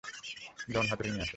জন, হাতুড়ি নিয়ে আসো।